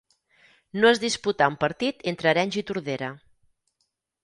No es disputà un partit entre Arenys i Tordera.